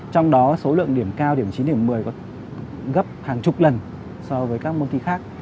trong đó số lượng điểm cao điểm chín điểm một mươi có gấp hàng chục lần so với các môn thi khác